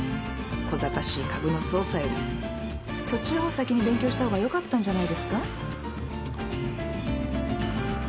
こざかしい株の操作よりそっちのほう先に勉強したほうがよかったんじゃないですか？